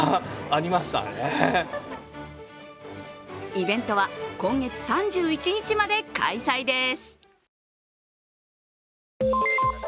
イベントは今月３１日まで開催です。